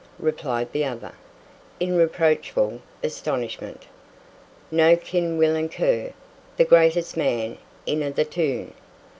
replied the other, in reproachful astonishment; "No ken Weelum Kerr, the greatest man in a' the toon!"